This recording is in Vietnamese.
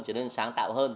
trở nên sáng tạo hơn